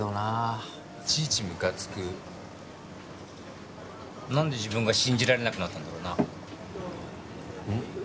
いちいちムカつく何で自分が信じられなくなったんだろうなうん？